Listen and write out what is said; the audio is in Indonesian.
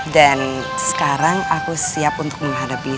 dan sekarang aku siap untuk menghadapi